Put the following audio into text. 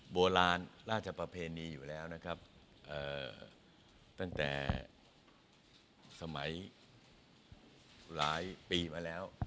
โบราณราชประเพณีอยู่แล้วนะครับตั้งแต่สมัยหลายปีมาแล้ว